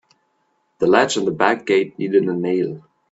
The latch on the back gate needed a nail.